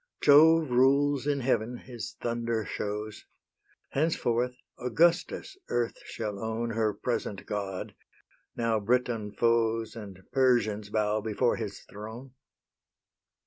Jove rules in heaven, his thunder shows; Henceforth Augustus earth shall own Her present god, now Briton foes And Persians bow before his throne.